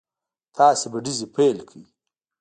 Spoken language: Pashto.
تاسې به ډزې پيل کړئ.